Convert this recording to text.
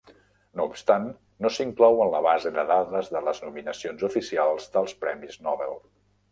No obstant, no s'inclou en la base de dades de les nominacions oficials dels premis Nobel.